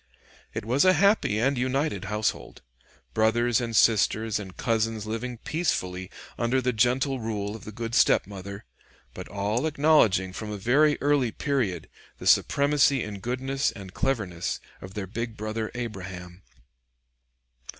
It was a happy and united household: brothers and sisters and cousins living peacefully under the gentle rule of the good stepmother, but all acknowledging from a very early period the supremacy in goodness and cleverness of their big brother Abraham.